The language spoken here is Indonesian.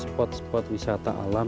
spot spot wisata alam